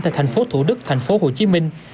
tại thành phố thủ đức thành phố hồ chí minh